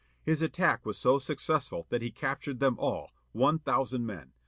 His attack was so successful that he cap tured them all, one thousand men.